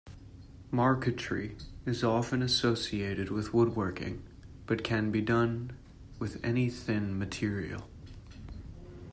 Marquetry is often associated with woodworking, but can be done with any thin material.